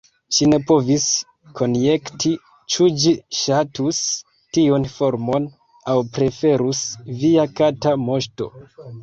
Ŝi ne povis konjekti ĉu ĝi ŝatus tiun formon, aŭ preferus "Via kata moŝto."